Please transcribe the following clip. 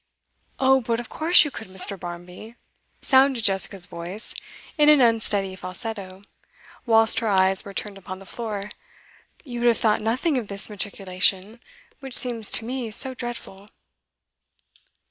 'Oh but of course you could, Mr. Barmby,' sounded Jessica's voice, in an unsteady falsetto, whilst her eyes were turned upon the floor. 'You would have thought nothing of this matriculation, which seems to me so dreadful.